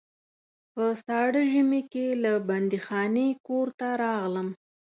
په ساړه ژمي کې له بندیخانې کور ته راغلم.